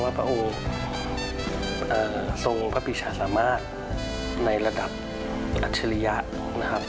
พระองค์ทรงพระปิชาสามารถในระดับอัจฉริยะนะครับ